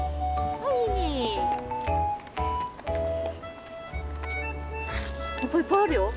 はっぱいっぱいあるよ。